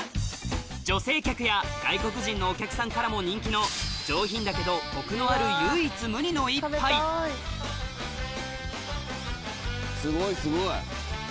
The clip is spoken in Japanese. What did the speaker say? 女性客や外国人のお客さんからも人気の上品だけどコクのあるすごいすごい。